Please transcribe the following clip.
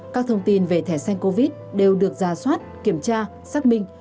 các thông tin về thẻ xanh covid đều được ra soát kiểm tra xác minh